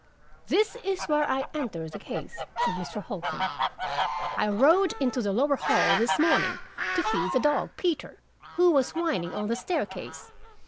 "This is where I entered the case," said Mr. Holcombe, "I rowed into the lower hall this morning, to feed the dog, Peter, who was whining on the staircase.